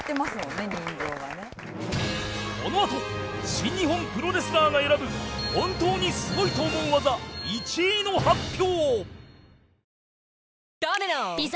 このあと新日本プロレスラーが選ぶ本当にすごいと思う技１位の発表